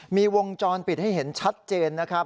มีวงจรปิดให้เห็นชัดเจนนะครับ